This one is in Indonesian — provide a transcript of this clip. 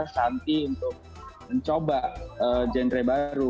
santi untuk mencoba genre baru